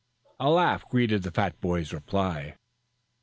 A laugh greeted the fat boy's reply.